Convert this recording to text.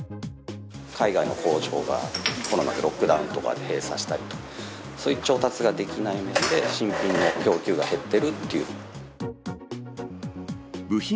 海外の工場がコロナでロックダウンとかで閉鎖したりと、それで調達ができないので、新品の供給が減ってるっていう。